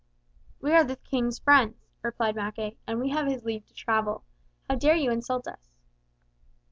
"We are the King's friends," replied Mackay, "and we have his leave to travel. How dare you insult us?"